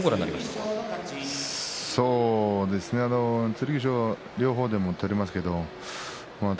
剣翔は両方でも取りますけど宝